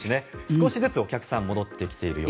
少しずつお客さん戻ってきています。